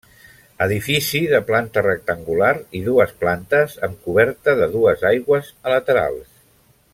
Edifici de planta rectangular i dues plantes amb coberta de dues aigües a laterals.